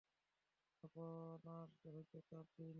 আপনার হয়তো চাপ দেয়নি।